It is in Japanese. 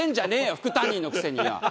副担任のくせによ。